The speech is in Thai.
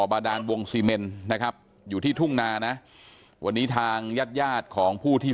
บาดานวงซีเมนนะครับอยู่ที่ทุ่งนานะวันนี้ทางญาติญาติของผู้ที่